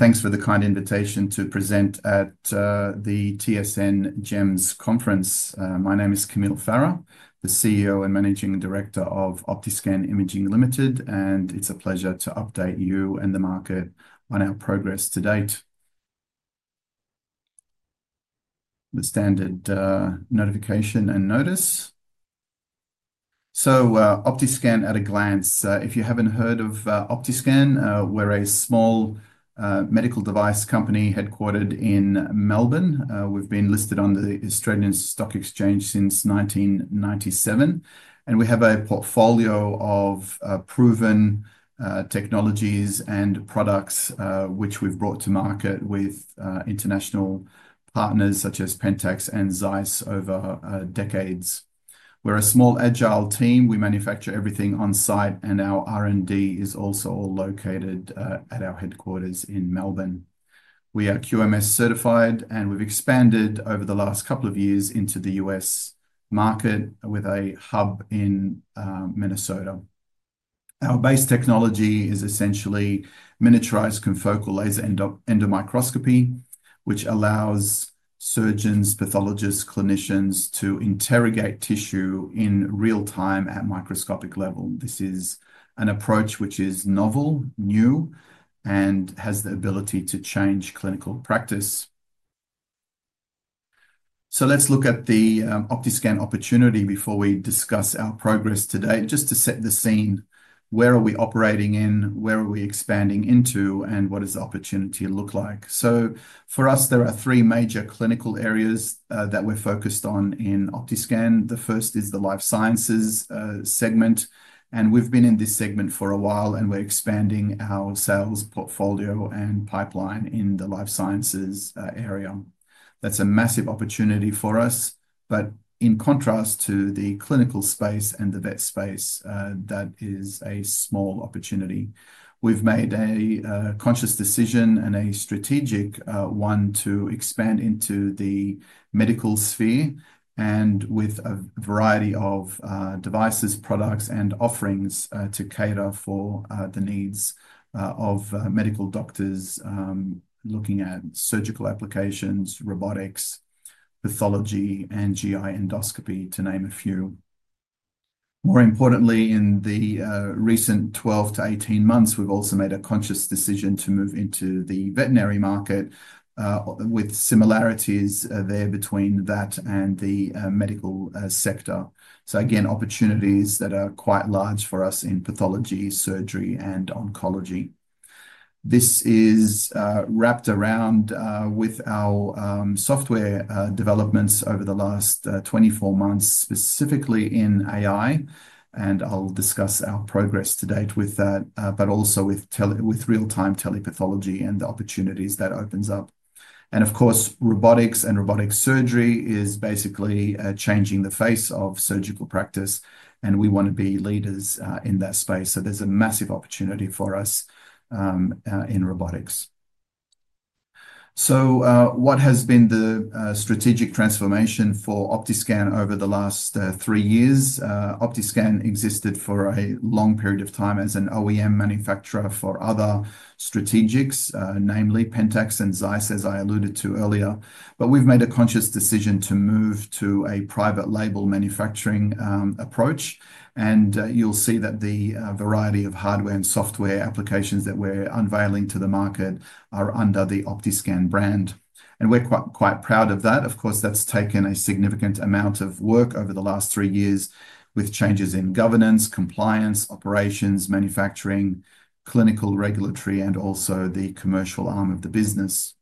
Thanks for the kind invitation to present at the TSN Gems Conference. My name is Camile Farah, the CEO and Managing Director of Optiscan Imaging Limited, and it's a pleasure to update you and the market on our progress to date. The standard notification and notice. Optiscan at a glance. If you haven't heard of Optiscan, we're a small medical device company headquartered in Melbourne. We've been listed on the Australian Stock Exchange since 1997, and we have a portfolio of proven technologies and products which we've brought to market with international partners such as Pentax and Zeiss over decades. We're a small, agile team. We manufacture everything on site, and our R&D is also located at our headquarters in Melbourne. We are QMS certified, and we've expanded over the last couple of years into the U.S. market with a hub in Minnesota. Our base technology is essentially miniaturized confocal laser endomicroscopy, which allows surgeons, pathologists, and clinicians to interrogate tissue in real time at microscopic level. This is an approach which is novel, new, and has the ability to change clinical practice. Let's look at the Optiscan opportunity before we discuss our progress today, just to set the scene. Where are we operating in? Where are we expanding into? What does the opportunity look like? For us, there are three major clinical areas that we're focused on in Optiscan. The first is the life sciences segment, and we've been in this segment for a while, and we're expanding our sales portfolio and pipeline in the life sciences area. That's a massive opportunity for us, but in contrast to the clinical space and the vet space, that is a small opportunity. We've made a conscious decision and a strategic one to expand into the medical sphere and with a variety of devices, products, and offerings to cater for the needs of medical doctors looking at surgical applications, robotics, pathology, and GI endoscopy, to name a few. More importantly, in the recent 12 months-18 months, we've also made a conscious decision to move into the veterinary market with similarities there between that and the medical sector. Again, opportunities that are quite large for us in pathology, surgery, and oncology. This is wrapped around with our software developments over the last 24 months, specifically in AI, and I'll discuss our progress to date with that, but also with real-time telepathology and the opportunities that opens up. Of course, robotics and robotic surgery is basically changing the face of surgical practice, and we want to be leaders in that space. There is a massive opportunity for us in robotics. What has been the strategic transformation for Optiscan over the last three years? Optiscan existed for a long period of time as an OEM manufacturer for other strategics, namely Pentax and Zeiss, as I alluded to earlier, but we've made a conscious decision to move to a private label manufacturing approach, and you'll see that the variety of hardware and software applications that we're unveiling to the market are under the Optiscan brand, and we're quite proud of that. Of course, that's taken a significant amount of work over the last three years with changes in governance, compliance, operations, manufacturing, clinical regulatory, and also the commercial arm of the business.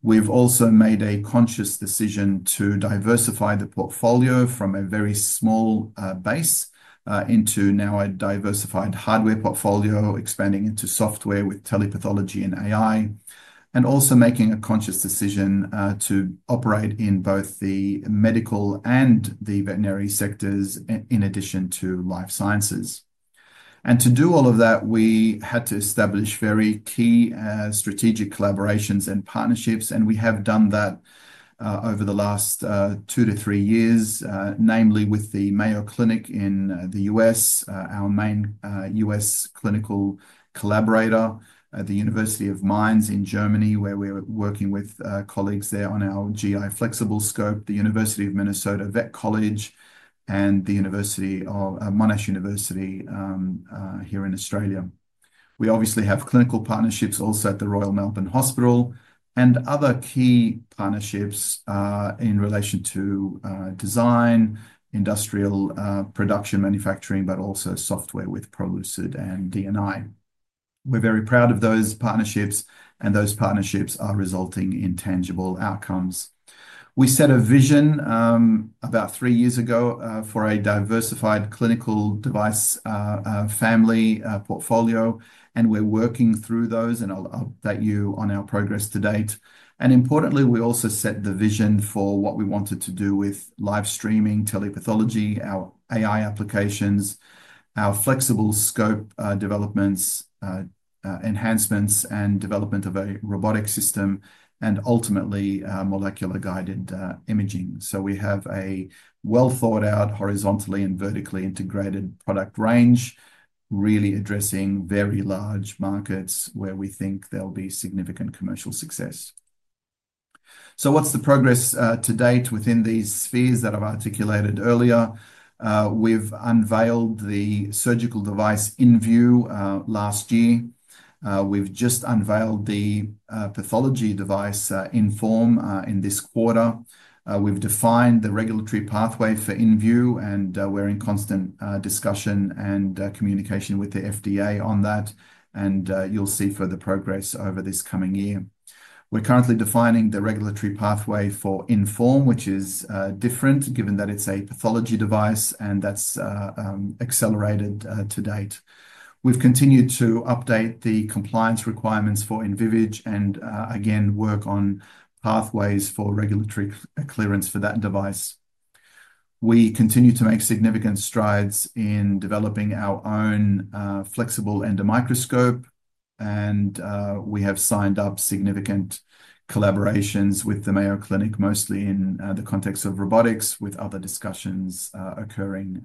We've also made a conscious decision to diversify the portfolio from a very small base into now a diversified hardware portfolio, expanding into software with telepathology and AI, and also making a conscious decision to operate in both the medical and the veterinary sectors in addition to life sciences. To do all of that, we had to establish very key strategic collaborations and partnerships, and we have done that over the last two to three years, namely with the Mayo Clinic in the U.S., our main U.S. clinical collaborator, the University of Mainz in Germany, where we're working with colleagues there on our GI flexible scope, the University of Minnesota Vet College, and Monash University here in Australia. We obviously have clinical partnerships also at the Royal Melbourne Hospital and other key partnerships in relation to design, industrial production, manufacturing, but also software with Prolucid and D+I. We're very proud of those partnerships, and those partnerships are resulting in tangible outcomes. We set a vision about three years ago for a diversified clinical device family portfolio, and we're working through those, and I'll update you on our progress to date. Importantly, we also set the vision for what we wanted to do with live streaming, telepathology, our AI applications, our flexible scope developments, enhancements, and development of a robotic system, and ultimately molecular-guided imaging. We have a well-thought-out horizontally and vertically integrated product range, really addressing very large markets where we think there'll be significant commercial success. What's the progress to date within these spheres that I've articulated earlier? We've unveiled the surgical device InVue last year. We've just unveiled the pathology device InForm in this quarter. We've defined the regulatory pathway for InVue, and we're in constant discussion and communication with the FDA on that, and you'll see further progress over this coming year. We're currently defining the regulatory pathway for InForm, which is different given that it's a pathology device, and that's accelerated to date. We've continued to update the compliance requirements for InVivid and, again, work on pathways for regulatory clearance for that device. We continue to make significant strides in developing our own flexible endomicroscope, and we have signed up significant collaborations with the Mayo Clinic, mostly in the context of robotics, with other discussions occurring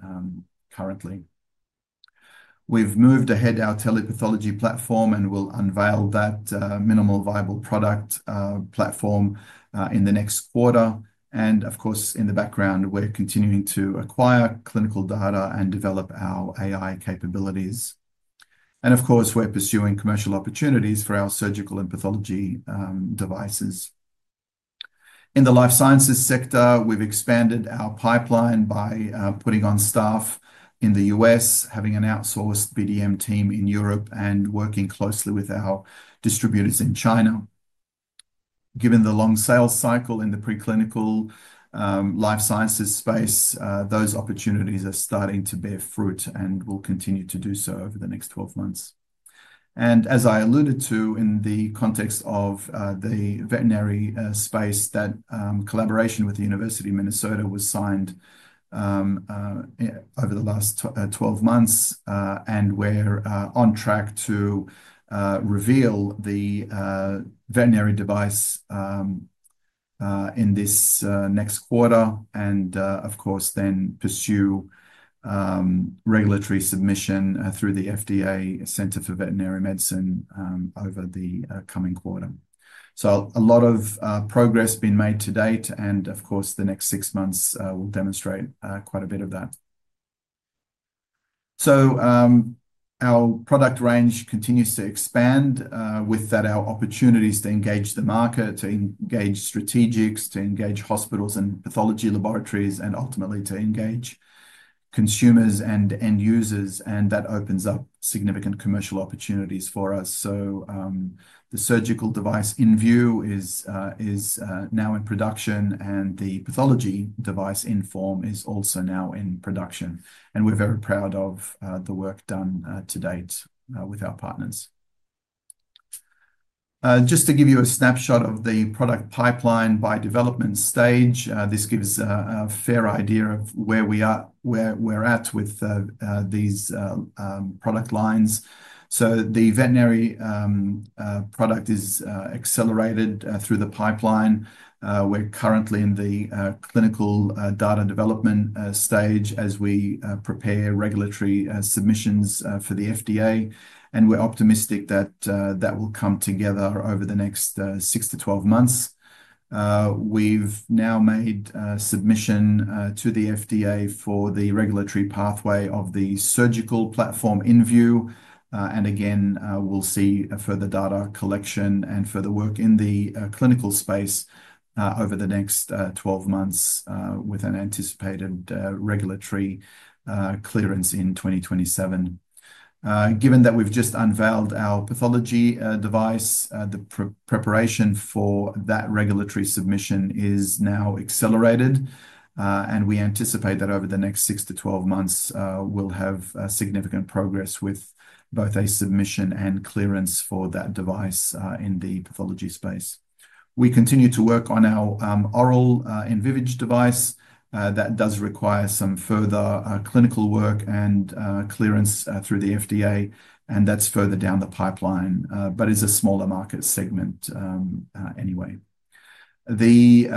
currently. We've moved ahead our telepathology platform, and we'll unveil that minimal viable product platform in the next quarter. Of course, in the background, we're continuing to acquire clinical data and develop our AI capabilities. Of course, we're pursuing commercial opportunities for our surgical and pathology devices. In the life sciences sector, we've expanded our pipeline by putting on staff in the U.S., having an outsourced BDM team in Europe, and working closely with our distributors in China. Given the long sales cycle in the preclinical life sciences space, those opportunities are starting to bear fruit and will continue to do so over the next 12 months. As I alluded to in the context of the veterinary space, that collaboration with the University of Minnesota was signed over the last 12 months, and we're on track to reveal the veterinary device in this next quarter and, of course, then pursue regulatory submission through the FDA Center for Veterinary Medicine over the coming quarter. A lot of progress has been made to date, and of course, the next six months will demonstrate quite a bit of that. Our product range continues to expand with our opportunities to engage the market, to engage strategics, to engage hospitals and pathology laboratories, and ultimately to engage consumers and end users, and that opens up significant commercial opportunities for us. The surgical device InVue is now in production, and the pathology device InForm is also now in production, and we're very proud of the work done to date with our partners. Just to give you a snapshot of the product pipeline by development stage, this gives a fair idea of where we're at with these product lines. The veterinary product is accelerated through the pipeline. We're currently in the clinical data development stage as we prepare regulatory submissions for the FDA, and we're optimistic that that will come together over the next 6 months-12 months. We've now made submission to the FDA for the regulatory pathway of the surgical platform InVue, and again, we'll see further data collection and further work in the clinical space over the next 12 months with an anticipated regulatory clearance in 2027. Given that we've just unveiled our pathology device, the preparation for that regulatory submission is now accelerated, and we anticipate that over the next 6 months-12 months, we'll have significant progress with both a submission and clearance for that device in the pathology space. We continue to work on our oral InVivid device that does require some further clinical work and clearance through the FDA, and that is further down the pipeline, but is a smaller market segment anyway. The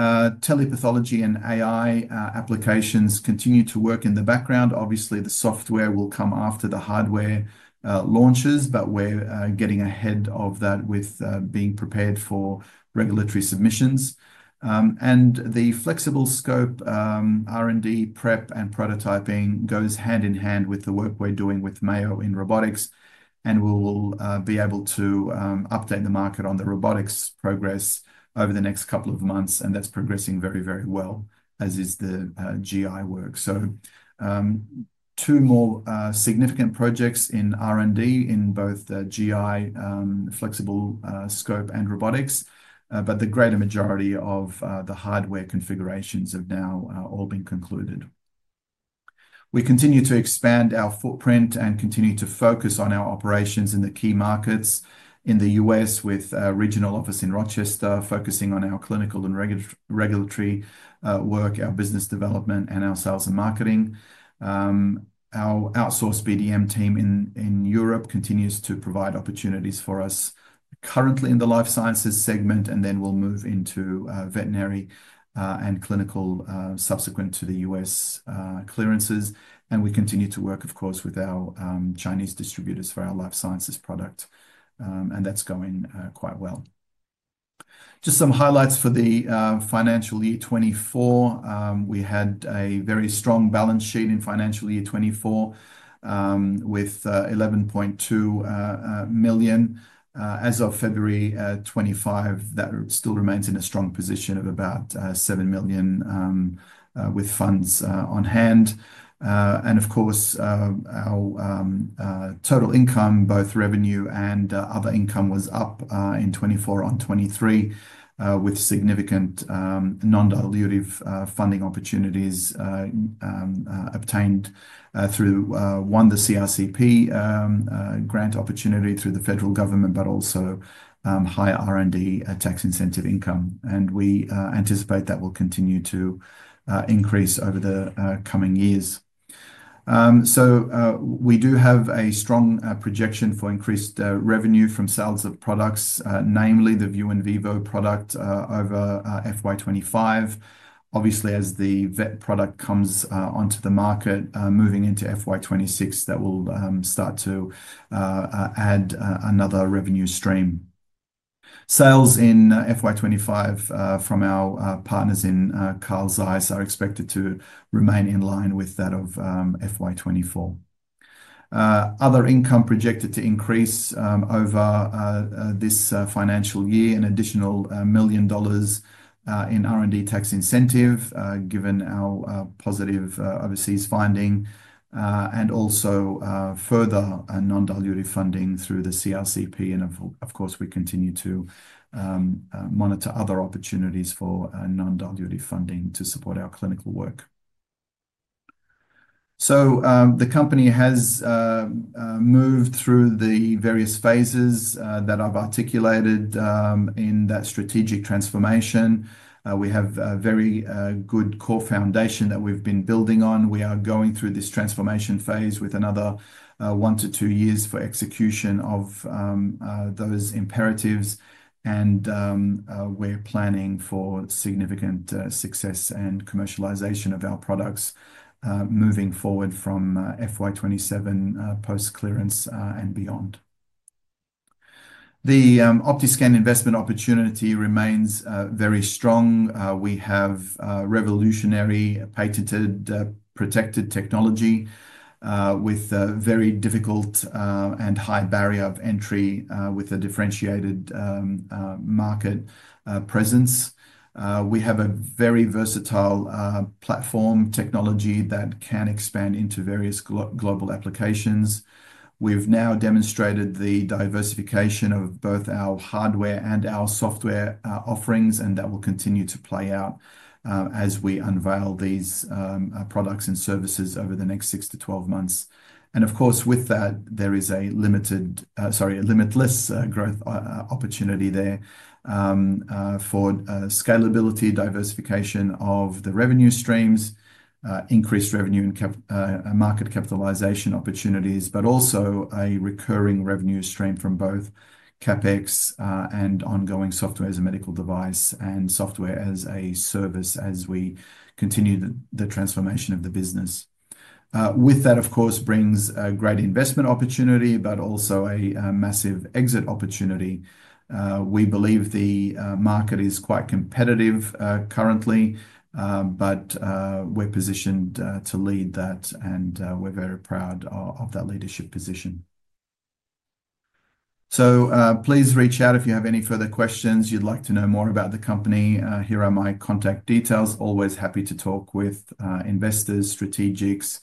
telepathology and AI applications continue to work in the background. Obviously, the software will come after the hardware launches, but we are getting ahead of that with being prepared for regulatory submissions. The flexible scope R&D prep and prototyping goes hand in hand with the work we are doing with Mayo in robotics, and we will be able to update the market on the robotics progress over the next couple of months, and that is progressing very, very well, as is the GI work. Two more significant projects in R&D in both GI flexible scope and robotics, but the greater majority of the hardware configurations have now all been concluded. We continue to expand our footprint and continue to focus on our operations in the key markets in the U.S. with a regional office in Rochester, focusing on our clinical and regulatory work, our business development, and our sales and marketing. Our outsourced BDM team in Europe continues to provide opportunities for us currently in the life sciences segment, and then we'll move into veterinary and clinical subsequent to the U.S. clearances. We continue to work, of course, with our Chinese distributors for our life sciences product, and that's going quite well. Just some highlights for the financial year 2024. We had a very strong balance sheet in financial year 2024 with 11.2 million. As of February 2025, that still remains in a strong position of about 7 million with funds on hand. Of course, our total income, both revenue and other income, was up in 2024 on 2023 with significant non-dilutive funding opportunities obtained through, one, the CRC-P grant opportunity through the federal government, but also high R&D tax incentive income. We anticipate that will continue to increase over the coming years. We do have a strong projection for increased revenue from sales of products, namely the ViewnVivo product over FY 2025. Obviously, as the vet product comes onto the market, moving into FY 2026, that will start to add another revenue stream. Sales in FY 2025 from our partners in Carl Zeiss are expected to remain in line with that of FY 2024. Other income projected to increase over this financial year, an additional 1 million dollars in R&D tax incentive given our positive overseas finding, and also further non-dilutive funding through the CRCP. Of course, we continue to monitor other opportunities for non-dilutive funding to support our clinical work. The company has moved through the various phases that I've articulated in that strategic transformation. We have a very good core foundation that we've been building on. We are going through this transformation phase with another one to two years for execution of those imperatives, and we're planning for significant success and commercialization of our products moving forward from FY 2027 post-clearance and beyond. The Optiscan investment opportunity remains very strong. We have revolutionary patented protected technology with very difficult and high barrier of entry with a differentiated market presence. We have a very versatile platform technology that can expand into various global applications. have now demonstrated the diversification of both our hardware and our software offerings, and that will continue to play out as we unveil these products and services over the next 6 months-12 months. Of course, with that, there is a limitless growth opportunity there for scalability, diversification of the revenue streams, increased revenue and market capitalization opportunities, but also a recurring revenue stream from both CapEx and ongoing software as a medical device and software as a service as we continue the transformation of the business. With that, of course, brings a great investment opportunity, but also a massive exit opportunity. We believe the market is quite competitive currently, but we are positioned to lead that, and we are very proud of that leadership position. Please reach out if you have any further questions or you would like to know more about the company. Here are my contact details. Always happy to talk with investors, strategics,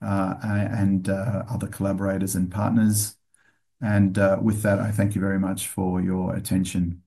and other collaborators and partners. I thank you very much for your attention.